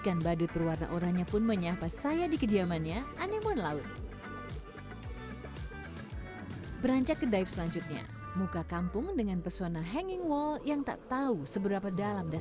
kayaknya minahasa comunque udah keren deh